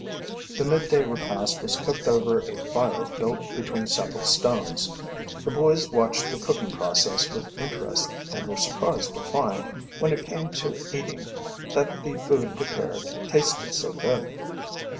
The midday repast was cooked over a fire built between several stones. The boys watched the cooking process with interest and were surprised to find, when it came to eating, that the food prepared tasted so good.